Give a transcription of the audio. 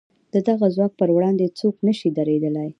د دغه ځواک پر وړاندې څوک نه شي درېدلای.